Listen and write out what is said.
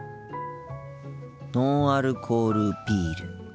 ノンアルコールビール。